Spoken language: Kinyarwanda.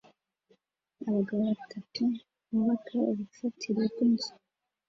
abagabo batanu bubaka urufatiro rwinzu